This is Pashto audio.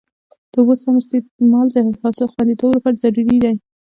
د اوبو سم استعمال د حاصل خوندیتوب لپاره ضروري دی.